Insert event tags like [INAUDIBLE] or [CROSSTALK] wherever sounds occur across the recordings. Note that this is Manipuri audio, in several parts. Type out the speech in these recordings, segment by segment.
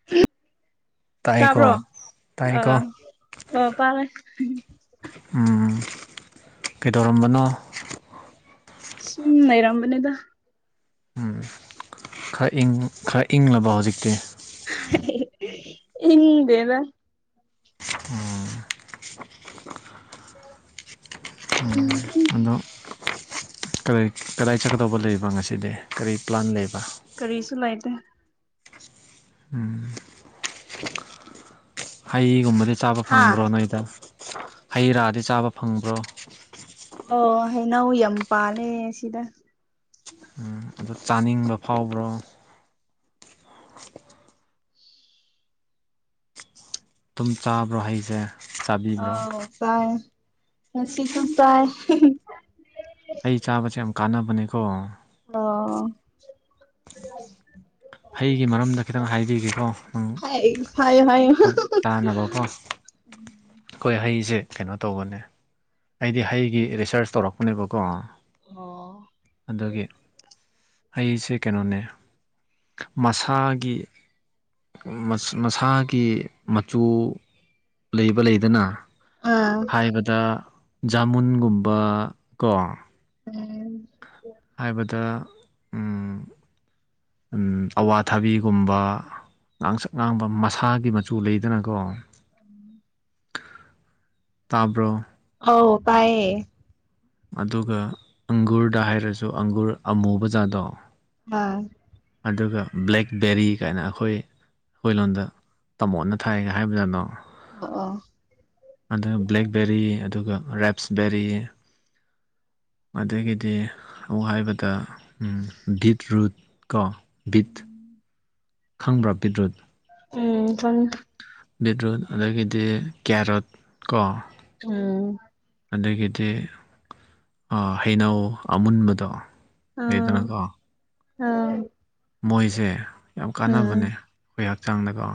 [UNINTELLIGIBLE] ꯇꯥꯕ꯭ꯔꯣ ꯇꯥꯏꯀꯣ ꯑꯥ ꯇꯥꯏꯀꯣ ꯑꯣ ꯄꯥꯔꯦ ꯎꯝ ꯀꯩꯗꯧꯔꯝꯕꯅꯣ ꯁꯝ ꯂꯔꯝꯕꯅꯦꯗ ꯎꯝ ꯈꯔ ꯏꯪ ꯈꯔ ꯏꯪꯂꯕ ꯍꯧꯖꯤꯛꯇꯤ ꯢꯪꯗꯦꯗ ꯎꯝ ꯑꯗꯣ ꯀꯗꯥꯏ ꯆꯠꯀꯗꯧꯕ ꯂꯩꯕ ꯉꯁꯤꯗꯤ ꯀꯔꯤ ꯄ꯭ꯂꯥꯟ ꯂꯩꯕ ꯀꯔꯤꯁꯨ ꯂꯩꯇꯦ ꯎꯝ ꯍꯩꯒꯨꯝꯕꯗꯤ ꯆꯥꯕ ꯍꯥ ꯐꯪꯕ꯭ꯔꯣ ꯅꯣꯏꯗ ꯍꯩ ꯔꯥꯗꯤ ꯆꯥꯕ ꯐꯪꯕ꯭ꯔꯣ ꯍꯩꯅꯎ ꯌꯥꯝ ꯄꯥꯜꯂꯦ ꯁꯤꯗ ꯑꯗꯨ ꯆꯥꯅꯤꯡꯕ ꯐꯥꯎꯕ꯭ꯔꯣ ꯇꯨꯝ ꯆꯥꯕ꯭ꯔꯣ ꯍꯩꯁꯦ ꯆꯥꯕꯤꯕ꯭ꯔꯣ ꯑꯥꯎ ꯆꯥꯏ ꯉꯥꯁꯤꯁꯨ ꯆꯥꯏ ꯍꯩ ꯆꯥꯕꯁꯦ ꯌꯥꯝ ꯀꯥꯟꯅꯕꯅꯦꯀꯣ ꯑꯣ ꯑꯩꯩꯒꯤ ꯃꯔꯝꯗ ꯈꯤꯇꯪ ꯍꯥꯏꯕꯤꯒꯦꯀꯣ ꯅꯪ ꯍꯥꯏ ꯍꯥꯏꯌꯣ ꯍꯥꯏꯌꯣ ꯆꯥꯅꯕꯀꯣ ꯑꯩꯈꯣꯏ ꯍꯩꯁꯦ ꯀꯩꯅꯣ ꯇꯧꯕꯅꯦ ꯑꯩꯗꯤ ꯍꯩꯒꯤ ꯔꯤꯁꯥꯔꯁ ꯇꯧꯔꯛꯄꯅꯦꯕꯀꯣ ꯑꯣ ꯑꯩꯁꯦ ꯀꯩꯅꯣꯅꯦ ꯃꯁꯥꯒꯤ ꯃꯁꯥꯒꯤ ꯃꯆꯨ ꯂꯩꯕ ꯂꯩꯗꯅ ꯑꯥ ꯍꯥꯏꯕꯗ ꯖꯥꯃꯨꯟꯒꯨꯝꯕ ꯀꯣ ꯎꯝ ꯍꯥꯏꯕꯗ ꯑꯋꯥꯊꯥꯕꯤꯒꯨꯝꯕ ꯉꯥꯡꯁꯛ ꯉꯥꯡꯕ ꯃꯁꯥꯒꯤ ꯃꯆꯨ ꯂꯩꯗꯅꯀꯣ ꯎꯝ [INAUDIBLE] ꯇꯥꯕ꯭ꯔꯣ ꯄꯥꯢꯌꯦ ꯑꯗꯨꯒ ꯑꯪꯒꯨꯔꯗ ꯍꯥꯏꯔꯁꯨ ꯑꯪꯒꯨꯔ ꯑꯃꯨꯕ ꯖꯥꯠꯗꯣ ꯑꯥ ꯑꯗꯨꯒ ꯕ꯭ꯂꯦꯛꯕꯦꯔꯤ ꯀꯥꯏꯅ ꯑꯩꯈꯣꯏ ꯑꯩꯈꯣꯏ ꯂꯣꯟꯗ ꯇꯥꯃꯣꯠꯅ ꯊꯥꯏꯒ ꯍꯥꯏꯕꯖꯥꯠꯅꯣ [INAUDIBLE] ꯑ ꯑꯥ ꯑꯗꯨꯒ ꯕ꯭ꯂꯦꯛꯕꯦꯔꯤ ꯑꯗꯨꯒ ꯔꯦꯞꯁꯕꯦꯔꯤ ꯑꯗꯒꯤꯗꯤ ꯑꯃꯨꯛ ꯍꯥꯏꯕꯗ ꯕꯤꯠꯔꯨꯠ ꯀꯣ ꯕꯤꯠ ꯈꯪꯕ꯭ꯔꯥ ꯕꯤꯠ꯭ꯔꯨꯠ ꯎꯝ ꯈꯪꯢ ꯕꯤꯠꯔꯨꯠ ꯑꯗꯒꯤꯗꯤ ꯀꯦꯔꯣꯠ ꯀꯣ ꯎꯝ ꯑꯗꯒꯤꯗꯤ ꯍꯩꯅꯧ ꯑꯃꯨꯟꯕꯗꯣ ꯂꯩꯗꯅꯀꯣ ꯑꯥꯎ ꯃꯣꯏꯁꯦ ꯌꯥꯝ ꯀꯥꯟꯅꯕꯅꯦ ꯑꯩꯈꯣꯏ ꯍꯛꯆꯥꯡꯗꯀꯣ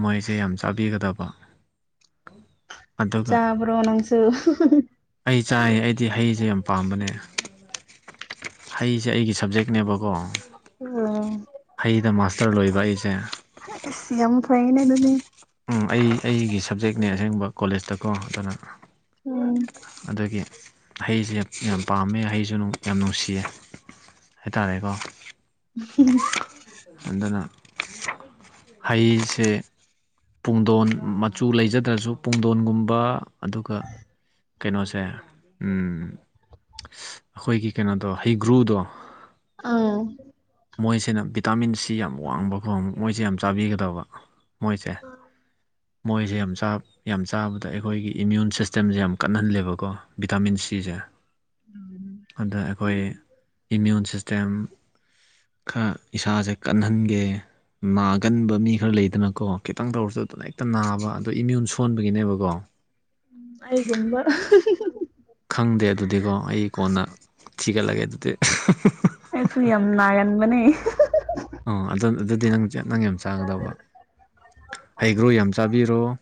ꯃꯣꯏꯁꯦ ꯌꯥꯝ ꯆꯥꯕꯤꯒꯗꯕ ꯑꯗꯨꯒ ꯆꯥꯕ꯭ꯔꯣ ꯅꯪꯁꯨ ꯑꯩ ꯆꯥꯏ ꯑꯩꯗꯤ ꯍꯩꯁꯦ ꯌꯥꯝ ꯄꯥꯝꯕꯅꯦ ꯍꯩꯁꯦ ꯑꯩꯒꯤ ꯁꯕꯖꯦꯛ ꯅꯦꯕꯀꯣ ꯎꯝ ꯍꯩꯗ ꯃꯥꯁꯇꯔ ꯂꯣꯏꯕ ꯑꯩꯁꯦ ꯑꯁ ꯌꯥꯝ ꯐꯩꯅꯦ ꯑꯗꯨꯗꯤ ꯎꯝ ꯑꯩ ꯑꯩꯒꯤ ꯁꯕꯖꯦꯛꯅꯦ ꯑꯁꯦꯡꯕ ꯀꯣꯂꯦꯖꯇꯀꯣ ꯑꯗꯨꯅ ꯎꯝ ꯑꯗꯒꯤ ꯍꯩꯁꯦ ꯌꯥꯝ ꯄꯥꯝꯃꯦ ꯍꯩꯁꯨ ꯌꯥꯝ ꯅꯨꯡꯁꯤꯌꯦ ꯍꯥꯏꯇꯥꯔꯦꯀꯣ ꯑꯗꯨꯅ ꯍꯩꯁꯦ ꯄꯨꯡꯗꯣꯟ ꯃꯆꯨ ꯂꯩꯖꯗ꯭ꯔꯁꯨ ꯄꯨꯡꯗꯣꯟꯒꯨꯝꯕ ꯑꯗꯨꯒ ꯀꯩꯅꯣꯁꯦ ꯑꯩꯈꯣꯏꯒꯤ ꯀꯩꯅꯣꯗꯣ ꯍꯩꯒ꯭ꯔꯨꯗꯣ ꯑꯥ ꯃꯣꯏꯁꯤꯅ ꯚꯤꯇꯥꯃꯤꯟꯁꯤ ꯌꯥꯝ ꯋꯥꯡꯕꯀꯣ ꯃꯣꯏꯁꯤ ꯌꯥꯝ ꯆꯥꯕꯤꯒꯗꯕ ꯃꯣꯏꯁꯦ ꯃꯣꯏꯁꯦ ꯌꯥꯝ ꯆꯥꯕ ꯌꯥꯝ ꯆꯥꯕꯗ ꯑꯩꯈꯣꯏꯒꯤ ꯏꯃ꯭ꯌꯨꯟ ꯁꯤꯁꯇꯦꯝꯁꯦ ꯌꯥꯝ ꯀꯟꯍꯜꯂꯦꯕꯀꯣ ꯚꯤꯇꯥꯃꯤꯟ ꯁꯤꯁꯦ ꯁꯦ ꯑꯗ ꯑꯩꯈꯣꯏ ꯏꯃ꯭ꯌꯨꯟ ꯁꯤꯁꯇꯦꯝ ꯈꯔ ꯏꯁꯥꯁꯦ ꯀꯟꯍꯟꯒꯦ ꯅꯥꯒꯟꯕ ꯃꯤ ꯈꯔ ꯂꯩꯗꯅꯀꯣ ꯈꯤꯇꯪ ꯇꯧꯔꯁꯨ ꯑꯗꯨꯝ ꯍꯦꯛꯇ ꯅꯥꯕ ꯑꯗꯣ ꯏꯃ꯭ꯌꯨꯟ ꯁꯣꯟꯕꯒꯤꯅꯦꯕꯀꯣ ꯎꯝ ꯑꯩꯒꯨꯝꯕ ꯈꯪꯗꯦ ꯑꯗꯨꯗꯤꯀꯣ ꯑꯩ ꯀꯣꯟꯅ ꯊꯤꯒꯠꯂꯒꯦ ꯑꯗꯨꯗꯤ ꯃꯅꯤ ꯑꯣ ꯑꯗꯨꯗꯤ ꯅꯪ ꯅꯪ ꯌꯥꯝ ꯆꯥꯒꯗꯧꯕ ꯍꯩꯒ꯭ꯔꯣ ꯌꯥꯝ ꯆꯥꯕꯤꯔꯣ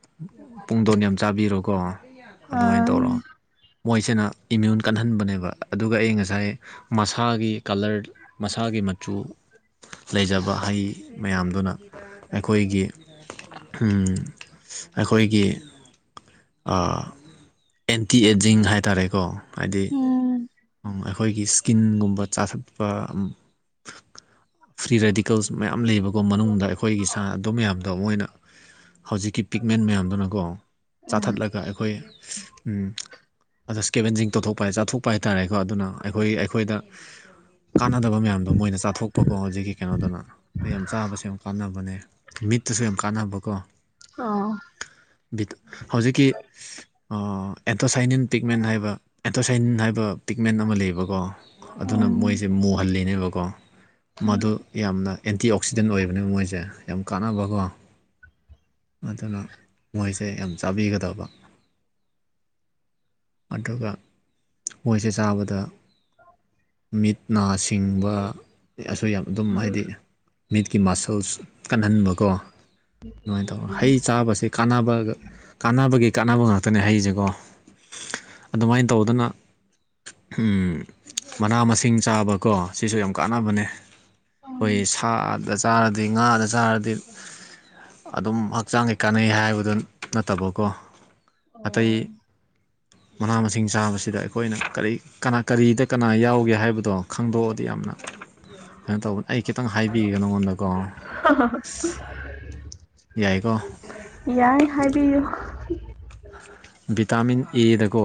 ꯄꯨꯡꯗꯣꯟ ꯌꯥꯝ ꯆꯥꯕꯤꯔꯣ ꯀꯣ ꯑꯗꯨꯃꯥꯏꯅ ꯑꯥ ꯇꯧꯔꯣ ꯃꯣꯏꯁꯤꯅ ꯏꯃ꯭ꯌꯨꯟ ꯀꯟꯍꯟꯕꯅꯦꯕ ꯑꯗꯨꯒ ꯑꯩ ꯉꯁꯥꯏ ꯃꯁꯥꯒꯤ ꯀꯂꯔ ꯃꯁꯥꯒꯤ ꯃꯆꯨ ꯂꯩꯖꯕ ꯍꯩ ꯃꯌꯥꯝꯗꯨꯅ ꯑꯩꯈꯣꯏꯒꯤ ꯑꯩꯈꯣꯏꯒꯤ ꯑꯦꯟꯇꯤ ꯑꯦꯖꯤꯡ ꯍꯥꯏꯇꯥꯔꯦꯀꯣ ꯍꯥꯏꯗꯤ ꯎꯝ ꯑꯩꯈꯣꯏꯒꯤ ꯁꯀꯤꯟꯒꯨꯝꯕ ꯆꯥꯊꯠꯄ ꯐ꯭ꯔꯤ ꯔꯦꯗꯤꯀꯜꯁ ꯃꯌꯥꯝ ꯂꯩꯕꯀꯣ ꯃꯅꯨꯡꯗ ꯑꯩꯈꯣꯏꯒꯤ ꯁꯥꯟꯅꯗ ꯃꯌꯥꯝꯗꯣ ꯃꯣꯏꯅ ꯍꯧꯖꯤꯛꯀꯤ ꯄꯤꯛꯃꯦꯟ ꯃꯌꯥꯝꯗꯨꯅꯀꯣ ꯆꯥꯊꯠꯂꯒ ꯑꯩꯈꯣꯏ ꯑꯗ ꯏꯁꯀꯦꯕꯦꯟꯁꯤꯡ ꯇꯧꯊꯣꯛꯄ ꯍꯥꯏ ꯆꯥꯊꯣꯛꯄ ꯍꯥꯏ ꯇꯥꯔꯦꯀꯣ ꯑꯗꯨꯅ ꯑꯩꯈꯣꯏ ꯑꯩꯈꯣꯏꯗ ꯀꯥꯟꯅꯗꯕ ꯃꯌꯥꯝꯗꯣ ꯃꯣꯏꯅ ꯆꯥꯊꯣꯛꯄꯀꯣ ꯍꯧꯖꯤꯛꯀꯤ ꯀꯩꯅꯣꯗꯨꯅ ꯑꯗꯨ ꯌꯥꯝ ꯆꯥꯕꯁꯦ ꯌꯥꯝ ꯀꯥꯟꯅꯕꯅꯦ ꯃꯤꯠꯇꯁꯨ ꯌꯥꯝ ꯀꯥꯟꯅꯕꯀꯣ ꯑ ꯕꯤ ꯍꯧꯖꯤꯛꯀꯤ ꯑꯦꯟꯊꯣꯁꯥꯏꯅꯤꯟ ꯄꯤꯛꯃꯦꯟ ꯍꯥꯏꯕ ꯑꯦꯟꯊꯣꯁꯥꯏꯅꯤꯟ ꯍꯥꯏꯕ ꯇꯤꯛꯃꯦꯟ ꯑꯃ ꯂꯩꯌꯦꯕꯀꯣ ꯑꯗꯨꯅ ꯃꯣꯏꯁꯦ ꯎꯝ ꯃꯨꯍꯜꯂꯤꯅꯦꯕꯀꯣ ꯃꯗꯨ ꯌꯥꯝꯅ ꯑꯦꯟꯇꯤ ꯑꯣꯛꯁꯤꯗꯦꯟ ꯑꯣꯏꯕꯅꯦ ꯃꯣꯏꯁꯦ ꯌꯥꯝ ꯀꯥꯟꯅꯕꯀꯣ ꯑꯗꯨꯅ ꯃꯣꯏꯁꯦ ꯌꯥꯝ ꯆꯥꯕꯤꯒ ꯇꯕ ꯑꯗꯨꯒ ꯃꯣꯏꯁꯦ ꯆꯥꯕꯗ ꯃꯤꯠ ꯅꯥꯁꯤ ꯆꯤꯡꯕ ꯑꯁꯨ ꯌꯥꯝ ꯑꯗꯨꯝ ꯍꯥꯏꯗꯤ ꯃꯤꯠꯀꯤ ꯃꯁꯜꯁ ꯀꯟꯍꯟꯕꯀꯣ ꯑꯗꯨꯃꯥꯏ ꯇꯧ ꯍꯩ ꯆꯥꯕꯁꯤ ꯀꯥꯟꯅꯕꯒ ꯀꯥꯟꯅꯕꯒꯤ ꯀꯥꯟꯅꯕ ꯉꯥꯛꯇꯅꯦ ꯍꯩꯁꯦꯀꯣ ꯑꯗꯨꯃꯥꯏꯅ ꯇꯧꯗꯅ ꯃꯅꯥ ꯃꯁꯤꯡ ꯆꯥꯕꯀꯣ ꯁꯤꯁꯨ ꯌꯥꯝ ꯀꯥꯟꯅꯕꯅꯦ ꯑꯩꯈꯣꯏ ꯁꯥꯗ ꯆꯥꯔꯗꯤ ꯉꯥꯗ ꯆꯥꯔꯗꯤ ꯑꯗꯨꯝ ꯍꯛꯆꯥꯡꯒꯤ ꯀꯥꯟꯅꯩ ꯍꯥꯏꯕꯗꯨ ꯅꯠꯇꯕꯀꯣ ꯑꯇꯩ ꯑꯣ ꯃꯅꯥ ꯃꯁꯤꯡ ꯆꯥꯕꯁꯤꯗ ꯑꯩꯈꯣ ꯑꯩꯈꯣꯏꯅ ꯀꯔꯤ ꯀꯅꯥ ꯀꯔꯤꯗ ꯀꯅꯥ ꯌꯥꯎꯒꯦ ꯍꯥꯏꯕꯗꯣ ꯈꯪꯗꯣꯛꯑꯗꯤ ꯌꯥꯝꯅ ꯀꯩꯅꯣ ꯇꯧꯕ ꯑꯩ ꯈꯤꯇꯪ ꯍꯥꯏꯕꯤꯒꯦ ꯅꯉꯣꯟꯗꯀꯣ ꯌꯥꯏꯀꯣ ꯌꯥꯏ ꯍꯥꯏꯕꯤꯌꯨ ꯚꯤꯇꯥꯃꯤꯟ ꯑꯦꯗꯀꯣ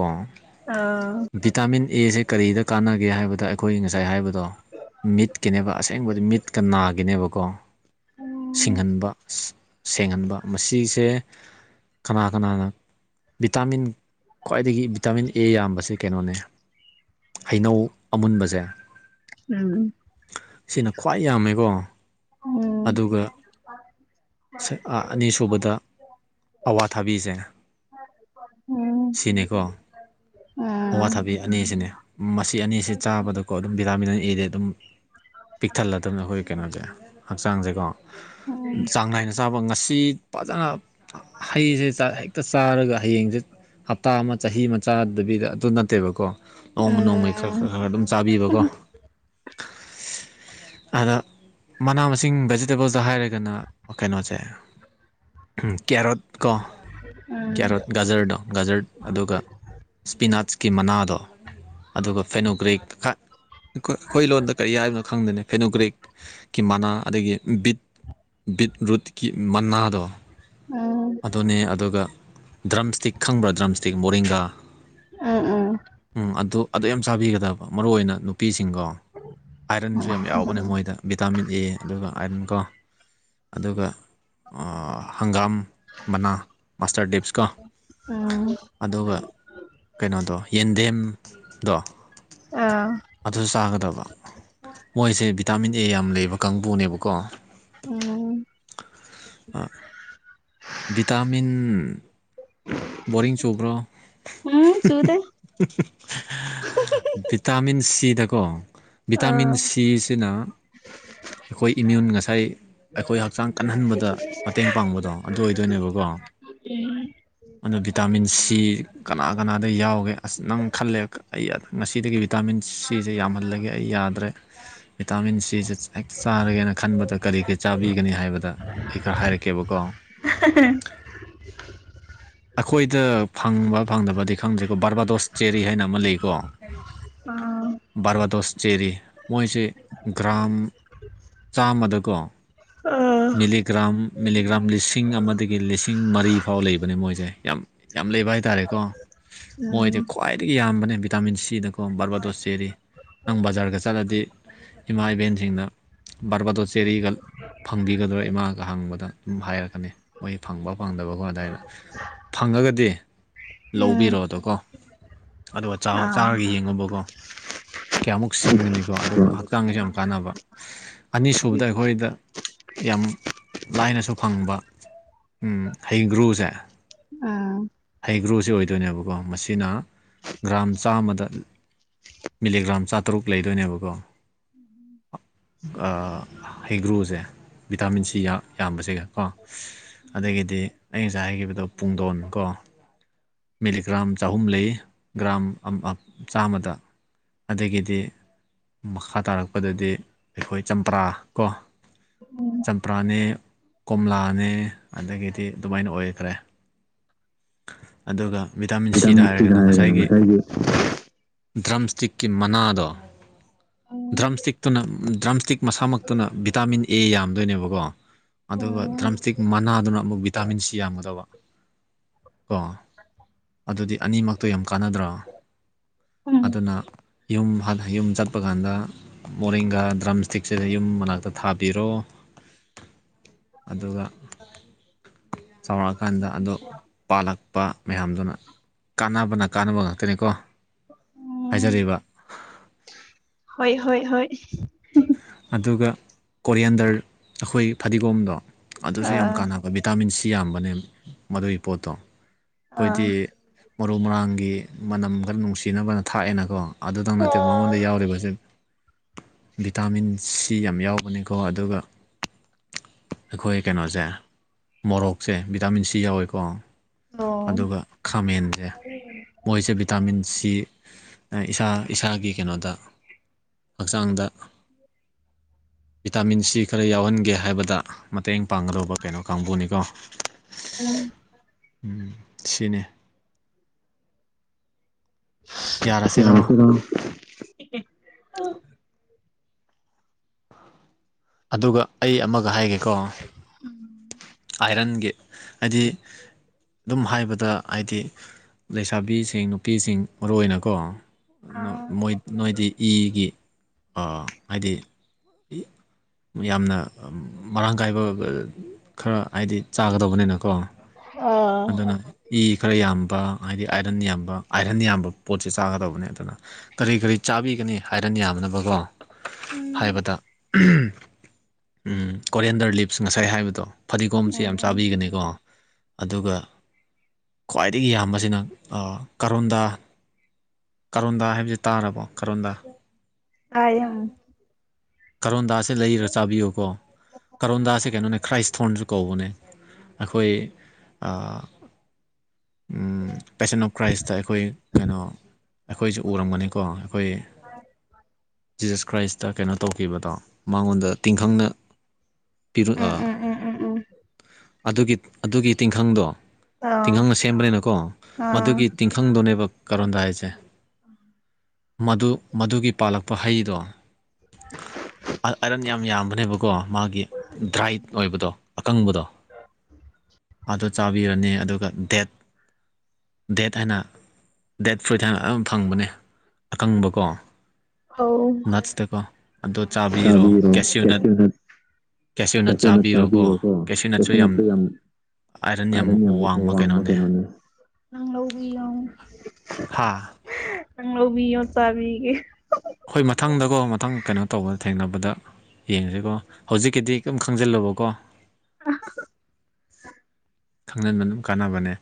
ꯑꯥ ꯚꯤꯇꯥꯃꯤꯟ ꯑꯦꯁꯦ ꯀꯔꯤꯗ ꯀꯥꯟꯅꯒꯦ ꯍꯥꯏꯕꯗ ꯑꯩꯈꯣꯏ ꯉꯁꯥꯏ ꯍꯥꯏꯕ ꯑꯗꯣ ꯃꯤꯠꯀꯤꯅꯦꯕ ꯑꯁꯦꯡꯕꯗꯤ ꯃꯤꯠꯀ ꯅꯥꯒꯤꯅꯦꯕꯀꯣ ꯎꯝ ꯁꯤꯡꯍꯟꯕ ꯁꯦꯡꯍꯟꯕ ꯃꯁꯤꯁꯦ ꯀꯅꯥ ꯀꯅꯥꯅ ꯚꯤꯇꯥꯃꯤꯟ ꯈ꯭ꯋꯥꯏꯗꯒꯤ ꯚꯤꯇꯥꯃꯤꯟ ꯑꯦ ꯌꯥꯝꯕꯁꯦ ꯀꯩꯅꯣꯅꯦ ꯍꯩꯅꯧ ꯑꯃꯨꯟꯕꯁꯦ ꯎꯝ ꯁꯤꯅ ꯈ꯭ꯋꯥꯏ ꯌꯥꯝꯃꯦꯀꯣ ꯎꯝ ꯎꯝ ꯎꯝ ꯎꯝ ꯑꯗꯨꯒ ꯎꯝ ꯑꯅꯤꯁꯨꯨꯕꯗ ꯑꯋꯥ ꯊꯥꯕꯤꯁꯦ ꯎꯝ ꯁꯤꯅꯦꯦꯛꯀꯣ ꯑꯋꯥꯊꯥꯕꯤ ꯑꯅꯤꯁꯤꯅꯦ ꯃꯁꯤ ꯑꯅꯤꯁꯤ ꯆꯥꯕꯗꯀꯣ ꯑꯗꯨꯝ ꯚꯤꯇꯥꯃꯤꯟ ꯑꯦꯗꯤ ꯑꯗꯨꯝ ꯄꯤꯛꯊꯜꯂꯛꯇꯕꯅ ꯑꯩꯈꯣꯏ ꯀꯩꯅꯣꯁꯦ ꯍꯛꯆꯥꯡꯁꯦꯀꯣ ꯆꯥꯡ ꯅꯥꯏꯅ ꯆꯥꯕ ꯉꯁꯤ ꯐꯖꯅ ꯍꯩꯁꯦ ꯍꯦꯛꯇ ꯆꯥꯔꯒ ꯍꯌꯦꯡꯁꯦ ꯍꯞꯇꯥ ꯑꯃ ꯆꯍꯤ ꯃꯆꯥꯗꯕꯤꯗ ꯑꯗꯨ ꯅꯠꯇꯦꯕꯀꯣ ꯅꯣꯡꯃ ꯅꯣꯡꯃꯒꯤ ꯈꯔ ꯈꯔ ꯈꯔ ꯑꯗꯨꯝ ꯆꯥꯕꯤꯕꯀꯣ ꯑꯗ ꯃꯅꯥ ꯃꯁꯤꯡ ꯚꯦꯖꯤꯇꯦꯕꯜꯗ ꯍꯥꯏꯔꯒꯅ ꯀꯩꯅꯣꯁꯦ ꯀꯦꯔꯣꯠ ꯀꯣ ꯀꯦꯔꯣꯠ ꯒꯖꯔꯗꯣ ꯒꯖꯔ ꯑꯗꯨꯒ ꯏꯁꯄꯤꯅꯥꯠꯁꯀꯤ ꯃꯅꯥꯗꯣ ꯑꯗꯨꯒ ꯐꯦꯅꯣꯒ꯭ꯔꯤꯛ ꯑꯩꯈꯣꯏ ꯂꯣꯟꯗ ꯀꯔꯤ ꯍꯥꯏꯅꯣ ꯈꯪꯗꯅ ꯐꯦꯅꯣꯒ꯭ꯔꯤꯛ ꯀꯤ ꯃꯅꯥ ꯑꯗꯒꯤ ꯕꯤꯠ ꯕꯤꯠꯔꯨꯠꯀꯤ ꯃꯅꯥꯗꯣ ꯑꯗꯨꯅꯦ ꯑꯗꯨꯒ ꯗ꯭ꯔꯝ ꯏꯁꯇꯤꯛ ꯈꯪꯕ꯭ꯔꯥ ꯗ꯭ꯔꯝ ꯏꯁꯇꯤꯛ ꯃꯔꯤꯡꯒꯥ ꯎꯝ ꯑꯗꯨ ꯑꯗꯨ ꯌꯥꯝ ꯆꯥꯕꯤꯒꯗꯕ ꯃꯔꯨ ꯑꯣꯏꯅ ꯅꯨꯄꯤꯁꯤꯡ ꯁꯤꯡꯀꯣ ꯑꯥꯏꯔꯟꯁꯨ ꯌꯥꯝ ꯌꯥꯎꯕꯅꯦ ꯃꯣꯏꯗ ꯚꯤꯇꯥꯃꯤꯟ ꯑꯦ ꯑꯗꯨꯒ ꯑꯥꯏꯔꯟ ꯀꯣ ꯑꯗꯨꯒ ꯑꯣ ꯍꯪꯒꯥꯝ ꯃꯅꯥ ꯃꯥꯁꯇꯔ ꯂꯤꯞꯁꯀꯣ ꯎꯝ ꯑꯗꯨꯒ ꯀꯩꯅꯣꯗꯣ ꯌꯦꯟꯗꯦꯝ ꯗꯣ ꯑꯥ ꯑꯗꯨꯁꯨ ꯆꯥꯒꯗꯕ ꯃꯣꯏꯁꯦ ꯚꯤꯇꯥꯃꯤꯟ ꯑꯦ ꯌꯥꯝ ꯂꯩꯕ ꯀꯥꯡꯕꯨꯅꯦꯕꯀꯣ ꯑ ꯎꯝ ꯚꯤꯇꯥꯃꯤꯟ ꯕꯣꯔꯤꯡ ꯆꯨꯕ꯭ꯔꯣ ꯎꯝ ꯆꯨꯗꯦ ꯍꯝꯍꯝꯍꯝ ꯚꯤꯇꯥꯃꯤꯟ ꯁꯤꯗꯀꯣ ꯚꯤꯇꯥꯃꯤꯟ ꯑꯥ ꯁꯤꯁꯤꯅ ꯑꯩꯈꯣꯏ ꯏꯃ꯭ꯌꯨꯟ ꯉꯁꯥꯏ ꯑꯩꯈꯣꯏ ꯍꯛꯆꯥꯡ ꯀꯟꯍꯟꯕꯗ ꯃꯇꯦꯡ ꯄꯥꯡꯕꯗꯣ ꯑꯗꯨ ꯑꯣꯏꯗꯣꯏꯅꯦꯕꯀꯣ ꯑꯣ ꯎꯝ ꯑꯣꯅ ꯚꯤꯇꯥꯃꯤꯟ ꯁꯤ ꯀꯅꯥ ꯀꯅꯥꯗ ꯌꯥꯎꯒꯦ ꯑꯁ ꯅꯪ ꯈꯜꯂꯦ ꯑꯩ ꯉꯁꯤꯗꯒꯤ ꯚꯤꯇꯥꯃꯤꯟ ꯁꯤꯁꯦ ꯌꯥꯝꯍꯜꯂꯒꯦ ꯑꯩ ꯌꯥꯗ꯭ꯔꯦ ꯚꯤꯇꯥꯃꯤꯟ ꯁꯤꯁꯦ ꯍꯦꯛꯇ ꯆꯥꯔꯒꯦꯅ ꯈꯟꯕꯗ ꯀꯔꯤ ꯀꯔꯤ ꯆꯥꯕꯤꯒꯅꯤ ꯍꯥꯏꯕꯗ ꯑꯩ ꯈꯔ ꯍꯥꯏꯔꯛꯀꯦ ꯀꯦꯕꯀꯣ ꯑꯍꯍꯍ ꯑꯩꯈꯣꯏꯗ ꯐꯪꯕ ꯐꯪꯗꯕꯗꯤ ꯈꯪꯗ꯭ꯔꯦꯀꯣ ꯕꯔꯕꯥꯗꯣꯁ ꯆꯦꯔꯤ ꯍꯥꯏꯅ ꯑꯃ ꯂꯩꯀꯣ ꯑꯥ ꯕꯥꯔꯕꯥꯗꯣꯁ ꯆꯦꯔꯤ ꯃꯣꯏꯁꯦ ꯒ꯭ꯔꯝ ꯆꯥꯝꯃꯗꯀꯣ ꯑꯥ ꯃꯤꯂꯤꯒ꯭ꯔꯥꯝ ꯃꯤꯂꯤꯒ꯭ꯔꯥꯝ ꯂꯤꯁꯤꯡ ꯑꯃꯗꯒꯤ ꯂꯤꯁꯤꯡ ꯃꯔꯤ ꯐꯥꯎ ꯂꯩꯕꯅꯦ ꯃꯣꯏ ꯁꯦ ꯌꯥꯝ ꯌꯥꯝ ꯂꯩꯕ ꯍꯥꯏꯇꯥꯥꯔꯦꯀꯣ ꯎꯝ ꯃꯣꯏꯗꯤ ꯈ꯭ꯋꯥꯏꯗꯒꯤ ꯌꯥꯝꯕꯅꯦ ꯚꯤꯇꯥꯃꯤꯟ ꯁꯤꯗ ꯕꯔꯕꯥꯗꯣꯁ ꯆꯦꯔꯤ ꯅꯪ ꯕꯖꯥꯔꯒ ꯆꯠꯂꯗꯤ ꯏꯃꯥ ꯏꯕꯦꯟꯁꯤꯡꯅ ꯕꯔꯕꯥꯗꯣꯁ ꯆꯦꯔꯤꯒ ꯐꯪꯕꯤꯒꯗꯔꯥ ꯏꯃꯥꯒ ꯍꯥꯡꯕꯗ ꯑꯗꯨꯝ ꯍꯥꯏꯔꯛꯀꯅꯤ ꯃꯣꯏ ꯐꯪꯕ ꯐꯪꯗꯕꯀꯣ ꯑꯗꯨꯗꯥꯏꯗ ꯐꯪꯉꯒꯗꯤ ꯎꯝ ꯂꯧꯕꯤꯔꯛꯑꯣꯗꯣꯀꯣ ꯑꯗꯨꯒ ꯆꯥ ꯑꯥ ꯆꯥꯔꯒ ꯌꯦꯡꯉꯣꯕꯀꯣ ꯀꯌꯥꯃꯨꯛ ꯁꯤꯟꯒꯅꯤꯀꯣ ꯑꯗꯨꯒ ꯍꯛꯆꯥꯡꯁꯨ ꯌꯥꯝ ꯀꯥꯟꯅꯕ ꯑꯅꯤꯁꯨꯕꯗ ꯑꯩꯈꯣꯏꯗ ꯌꯥꯝ ꯂꯥꯏꯅꯁꯨ ꯐꯪꯕ ꯎꯝ ꯍꯩꯒ꯭ꯔꯨꯁꯦ ꯑꯥ ꯍꯩꯒ꯭ꯔꯣꯁꯦ ꯑꯣꯏꯗꯣꯏꯅꯦꯕꯀꯣ ꯃꯁꯤꯅ ꯒ꯭ꯔꯥꯝ ꯆꯥꯝꯃꯗ ꯃꯤꯂꯤꯒ꯭ꯔꯥꯝ ꯆꯥꯇꯔꯨꯛ ꯂꯩꯗꯣꯏꯅꯦꯕꯀꯣ ꯑ ꯍꯩꯒ꯭ꯔꯨꯁꯦ ꯚꯤꯇꯥꯃꯤꯟ ꯁꯤ ꯌꯥꯝꯕꯁꯦꯒ ꯀꯣ ꯑꯗꯒꯤꯗꯤ ꯑꯩ ꯉꯁꯥꯏ ꯍꯥꯏꯈꯤꯕꯗꯣ ꯄꯨꯡꯗꯣꯟ ꯀꯣ ꯃꯤꯂꯤꯒ꯭ꯔꯥꯝ ꯆꯍꯨꯝ ꯂꯩ ꯒ꯭ꯔꯥꯝ ꯑꯝ ꯑꯝ ꯆꯥꯝꯃꯗ ꯑꯗꯒꯤꯗꯤ ꯃꯈꯥ ꯇꯥꯔꯛꯄꯗꯗꯤ ꯑꯩꯈꯣꯏ ꯆꯝꯄ꯭ꯔꯥ ꯀꯣ ꯆꯝꯄ꯭ꯔꯥꯅꯦ ꯀꯣꯝꯂꯥꯅꯦ ꯑꯗꯒꯤꯗꯤ ꯑꯗꯨꯃꯥꯏꯅ ꯑꯣꯏꯈ꯭ꯔꯦ ꯑꯗꯨꯒ ꯚꯤꯇꯥꯃꯤꯟ ꯁꯤꯗ ꯍꯥꯏꯔꯒꯅ ꯉꯁꯥꯏꯒꯤ ꯗ꯭ꯔꯝꯁꯇꯤꯛꯀꯤ ꯃꯅꯥꯗꯣ ꯗ꯭ꯔꯝ ꯏꯁꯇꯤꯛꯇꯨꯅ ꯗ꯭ꯔꯝ ꯏꯁꯇꯤꯛ ꯃꯁꯥꯃꯛꯇꯨꯅ ꯚꯤꯇꯥꯃꯤꯟ ꯑꯦ ꯌꯥꯝꯗꯣꯏꯅꯦꯕꯀꯣ ꯑꯗꯨꯒ ꯗ꯭ꯔꯝ ꯏꯁꯇꯤꯛ ꯃꯅꯥꯗꯨꯅ ꯑꯃꯨꯛ ꯚꯤꯇꯥꯃꯤꯟ ꯁꯤ ꯌꯥꯝꯒꯗꯕ ꯀꯣ ꯑꯗꯨꯗꯤ ꯑꯅꯤꯃꯛꯇꯣ ꯌꯥꯝ ꯀꯥꯟꯅꯗ꯭ꯔꯣ ꯑꯗꯨꯅ ꯌꯨꯝ ꯍꯟ ꯌꯨꯝ ꯆꯠꯄ ꯀꯥꯟꯗ ꯃꯣꯔꯤꯡꯒ ꯗ꯭ꯔꯝ ꯏꯁꯇꯤꯛꯁꯤꯗ ꯌꯨꯝ ꯃꯅꯥꯛꯇ ꯊꯥꯕꯤꯔꯣ ꯑꯗꯨꯒ ꯆꯥꯎꯔꯛꯑꯀꯥꯟꯗ ꯑꯗꯣ ꯄꯥꯜꯂꯛꯄ ꯃꯌꯥꯝꯗꯨꯅ ꯀꯥꯟꯅꯕꯅ ꯀꯥꯟꯅꯕ ꯉꯥꯛꯇꯅꯤꯀꯣ ꯍꯥꯏꯖꯔꯤꯕ ꯍꯣꯏ ꯍꯣꯏ ꯍꯣꯏ ꯑꯗꯨꯒ ꯀꯣꯔꯤꯌꯦꯟꯗꯔ ꯑꯩꯈꯣꯏ ꯐꯗꯤꯒꯣꯝꯗꯣ ꯑꯗꯨꯁꯨ ꯌꯥꯝ ꯑꯥ ꯀꯥꯟꯅꯕ ꯚꯤꯇꯥꯃꯤꯟ ꯁꯤ ꯁꯤ ꯌꯥꯝꯕꯅꯦ ꯃꯗꯨꯒꯤ ꯄꯣꯠꯇꯣ ꯑꯥ ꯑꯩꯈꯣꯏꯗꯤ ꯃꯔꯨ ꯃꯔꯥꯡꯒꯤ ꯃꯅꯝ ꯈꯔ ꯅꯨꯡꯁꯤꯅꯕꯅ ꯊꯥꯛꯑꯦꯅꯀꯣ ꯑꯗꯨꯇꯪ ꯅꯠꯇꯦ ꯃꯉꯣꯟꯗ ꯌꯥꯎꯔꯤꯕꯁꯦ ꯚꯤꯇꯥꯃꯤꯟ ꯁꯤ ꯌꯥꯝ ꯌꯥꯎꯕꯅꯤꯀꯣ ꯑꯗꯨꯒ ꯑꯩꯈꯣꯏ ꯀꯩꯅꯣꯁꯦ ꯃꯣꯔꯣꯛꯁꯦ ꯚꯤꯇꯥꯃꯤꯟ ꯁꯤ ꯌꯥꯎꯋꯦꯀꯣ ꯑꯣ ꯑꯗꯨꯒ ꯈꯥꯃꯦꯟꯁꯦ ꯃꯣꯏꯁꯦ ꯚꯤꯇꯥꯃꯤꯟꯁꯤ ꯏꯁꯥ ꯏꯁꯥꯒꯤ ꯀꯩꯅꯣꯗ ꯍꯛꯆꯥꯡꯗ ꯚꯤꯇꯥꯃꯤꯟꯁꯤ ꯈꯔ ꯌꯥꯎꯍꯟꯒꯦ ꯍꯥꯏꯕꯗ ꯃꯇꯦꯡ ꯄꯥꯡꯒꯗꯧꯕ ꯀꯩꯅꯣ ꯀꯥꯡꯕꯨꯅꯤꯀꯣ ꯎꯝ ꯎꯝ ꯁꯤꯅꯦ ꯌꯥꯌꯥꯅꯈꯗꯣ ꯑꯗꯨꯒ ꯑꯩ ꯑꯃꯒ ꯍꯥꯏꯒꯦꯀꯣ ꯑꯥꯏꯔꯟꯒꯤ ꯍꯥꯏꯗꯤ ꯑꯗꯨꯝ ꯍꯥꯏꯕꯗ ꯍꯥꯏꯗꯤ ꯂꯩꯁꯥꯕꯤꯁꯤꯡ ꯅꯨꯄꯤꯁꯤꯡ ꯃꯔꯨ ꯑꯣꯏꯅꯀꯣ ꯑꯥ ꯣꯏ ꯅꯣꯏꯗꯤ ꯏꯒꯤ ꯍꯥꯏꯗꯤ ꯌꯥꯝꯅ ꯃꯔꯥꯡ ꯀꯥꯏꯕ ꯈꯔ ꯍꯥꯏꯗꯤ ꯆꯥꯒꯗꯧꯕꯅꯤꯅꯀꯣ ꯑꯗꯨꯅ ꯏ ꯈꯔ ꯌꯥꯝꯕ ꯍꯥꯏꯗꯤ ꯑꯥꯏꯔꯟ ꯌꯥꯝꯕ ꯑꯥꯏꯔꯟ ꯌꯥꯝꯕ ꯄꯣꯠꯁꯦ ꯆꯥꯒꯗꯕꯅꯦ ꯑꯗꯨ ꯀꯔꯤ ꯀꯔꯤ ꯆꯥꯕꯤꯒꯅꯤ ꯍꯥꯏꯔꯅꯤ ꯌꯥꯅꯕꯀꯣ ꯍꯥꯏꯕꯗ ꯀꯦꯟꯗꯔ ꯂꯤꯞꯁ ꯉꯁꯥꯏ ꯍꯥꯏꯕꯗꯣ ꯐꯗꯤꯒꯣꯝꯁ ꯌꯥꯝ ꯆꯥꯕꯤꯒꯅꯤꯀꯣ ꯑꯗꯨꯒ ꯈ꯭ꯋꯥꯏꯗꯒꯤ ꯌꯥꯝꯕꯁꯤꯅ ꯀꯥꯔꯣꯟꯗꯥ ꯀꯥꯔꯣꯟꯗꯥ ꯍꯥꯏꯕꯕꯁꯤ ꯇꯥꯔꯕꯣ ꯀꯔꯣꯟꯗꯥ ꯀ ꯀꯔꯣꯟꯗꯥꯁꯦ ꯂꯩꯔꯒ ꯆꯥꯕꯤꯌꯨꯀꯣ ꯀꯔꯣꯟꯗꯥꯁꯦ ꯀꯩꯅꯣꯅꯦ ꯈ꯭ꯔꯥꯏꯁ ꯐꯣꯟꯁꯨ ꯀꯧꯕꯅꯦ ꯑꯩꯈꯣꯏ ꯄꯦꯁꯟ ꯑꯣꯐ ꯀ꯭ꯔꯥꯏꯁꯇ ꯑꯩꯈꯣꯏ ꯀꯩꯅꯣ ꯑꯩꯈꯣꯏꯁꯨ ꯎꯔꯝꯒꯅꯤꯀꯣ ꯑꯩꯈꯣꯏ ꯖꯤꯖꯁ ꯀ꯭ꯔꯥꯏꯁꯇ ꯀꯩꯅꯣ ꯇꯧꯈꯤꯕꯗꯣ ꯃꯉꯣꯟꯗ ꯇꯤꯡꯈꯪꯅ ꯎꯝ ꯄ ꯎꯝ ꯎꯝ ꯎꯝ ꯎꯝ ꯎꯝ ꯑꯗꯨꯒꯤ ꯑꯗꯨꯒꯤ ꯇꯤꯡꯈꯪꯗꯣ ꯑꯥ ꯇꯤꯡꯈꯪꯅ ꯁꯦꯝꯕꯅꯤꯅꯀꯣ ꯑꯥ ꯃꯗꯨꯒꯤ ꯇꯤꯡꯈꯪꯗꯨꯅꯦꯕ ꯀꯔꯣꯟꯗ ꯍꯥꯏꯁꯦ ꯃꯗꯨ ꯃꯗꯨꯒꯤ ꯄꯥꯜꯂꯛꯄ ꯍꯩꯗꯣ ꯑꯔꯟ ꯌꯥꯝ ꯌꯥꯝꯕꯅꯦꯕ ꯀꯣ ꯃꯥꯒꯤ ꯗ꯭ꯔꯥꯏꯠ ꯑꯣꯏꯕꯗꯣ ꯑꯀꯪꯕꯗꯣ ꯑꯥꯗꯣ ꯆꯥꯕꯤꯔꯅꯤ ꯑꯗꯨꯒ ꯗꯦꯠ ꯗꯦꯠ ꯍꯥꯏꯅ ꯗꯦꯠ ꯐꯨꯠ ꯍꯥꯏꯅ ꯑꯗꯨꯝ ꯐꯪꯕꯅꯦ ꯑꯀꯪꯕꯀꯣ ꯑꯧ ꯅꯠꯁꯇꯀꯣ ꯑꯗꯣ ꯆꯥꯕꯤꯔꯣ ꯀꯦꯁꯤꯌꯨꯅꯠ ꯀꯩꯁꯅ ꯆꯥꯕꯤꯌꯣꯀꯣ ꯀꯩꯁ ꯅꯠꯇꯦ ꯌꯥꯝ ꯑꯥꯏꯔꯟ ꯌꯥꯝ ꯑꯔ ꯋꯥꯡꯕ ꯀꯩꯅꯣꯅꯦ ꯋꯥꯃꯩꯅ ꯍꯥꯥ ꯑꯣꯕꯤ ꯑꯣ ꯆꯕꯤꯒꯤ ꯑꯗꯨꯗ ꯌꯦꯡꯁꯤꯀꯣ ꯍꯧꯖꯤꯛꯀꯤꯗꯤ ꯀꯝ ꯈꯪꯖꯤꯜꯂꯨꯕꯀꯣ [UNINTELLIGIBLE] ꯈꯪꯖꯤꯟꯕ ꯑꯗꯨꯝ ꯀꯥꯟꯅꯕꯅꯦ